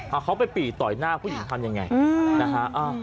เอาเขาไปปีต่อยหน้าผู้หญิงทำยังไงนะฮะ